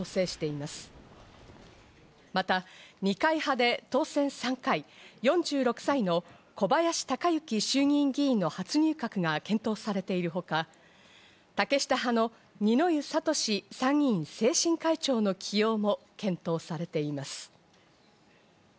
また、二階派で当選３回、４６歳の小林鷹之衆議院議員の初入閣が検討されているほか、竹下派の二之湯智参議院政審会長の起用も検討されています。